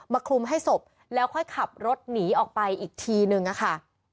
คลุมให้ศพแล้วค่อยขับรถหนีออกไปอีกทีนึงอะค่ะ